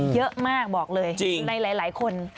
เยอะมากบอกเลยหลายคน